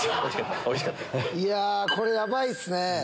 これヤバいっすね